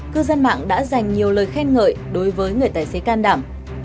cư dân mạng đã dành nhiều lời khen ngợi đối với người tài xế can đảm